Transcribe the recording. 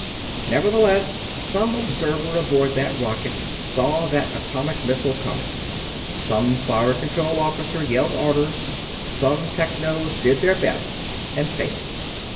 Nevertheless, some observer aboard that rocket saw that atomic missile coming. Some Fire Control Officer yelled orders; some Technos did their best and failed.